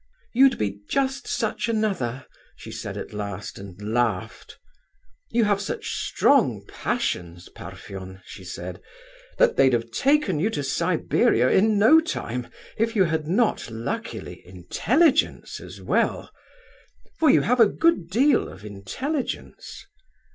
'You'd be just such another,' she said at last, and laughed. 'You have such strong passions, Parfen,' she said, 'that they'd have taken you to Siberia in no time if you had not, luckily, intelligence as well. For you have a good deal of intelligence.